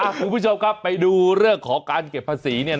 คุณผู้ชมครับไปดูเรื่องของการเก็บภาษีเนี่ย